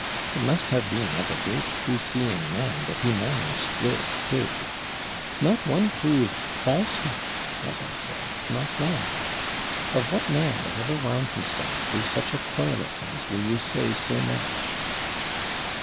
It must have been as a great true seeing man that he managed this too. Not one proved falsehood, as I said; not one! Of what man that ever wound himself through such a coil of things will you say so much?